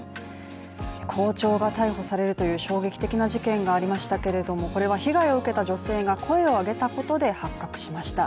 校長が逮捕されるという衝撃的な事件がありましたけれども、これは被害を受けた女性が声を上げたことで発覚しました。